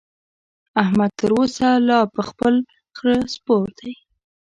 احمد تر اوسه لا پر خپل خره سپور دی.